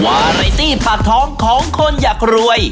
วารายตีผักท้องของคนอยากรวย